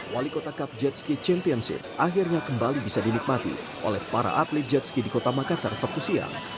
wali kota cup jetski championship akhirnya kembali bisa dinikmati oleh para atlet jetski di kota makassar sabtu siang